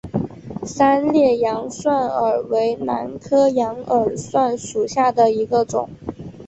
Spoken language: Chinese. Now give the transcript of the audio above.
三裂羊耳蒜为兰科羊耳蒜属下的一个种。